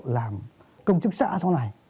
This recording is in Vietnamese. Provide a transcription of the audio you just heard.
làm công chức xã sau này